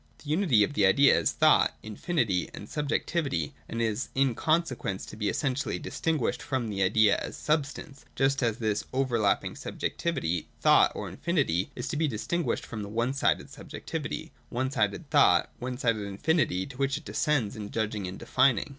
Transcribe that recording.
The unity of the Idea is thought, infinity, and subjectivity, and is in consequence to be essentially dis tinguished from the Idea as substance, just as this over lapping subjectivity, thought, or infinity is to be distin guished from the one sided subjectivity, one sided thought, one sided infinity to which it descends in judging and defining.